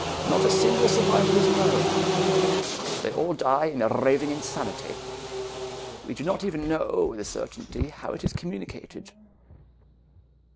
Not a single survivor is known they all die in raving insanity. We do not even know with certainty how it is communicated."